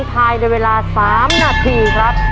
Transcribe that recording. ภายในเวลา๓นาทีครับ